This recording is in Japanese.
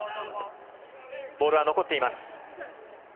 ボールは残っています。